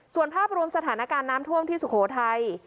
ส่วนภาพรวมสถานการณ์น้ำท่วมที่สุโขทัย